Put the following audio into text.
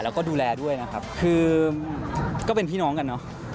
แล้วก็ดูแลด้วยนะครับคือก็เป็นพี่น้องกันเนอะ